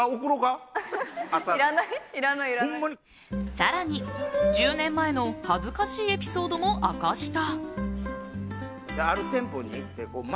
更に１０年前の恥ずかしいエピソードも明かした。